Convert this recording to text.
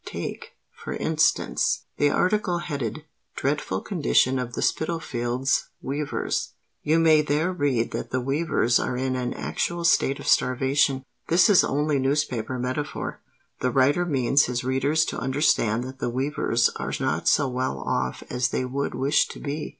Take, for instance, the article headed 'Dreadful Condition of the Spitalfields' Weavers.' You may there read that the weavers are in an actual state of starvation. This is only newspaper metaphor: the writer means his readers to understand that the weavers are not so well off as they would wish to be.